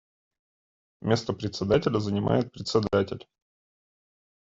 Место Председателя занимает Председатель.